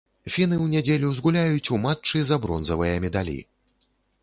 Фіны ў нядзелю згуляюць у матчы за бронзавыя медалі.